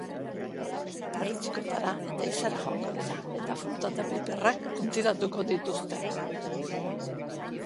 Perretxikotara eta ehizara joango dira, eta fruta eta piperrak ontziratuko dituzte.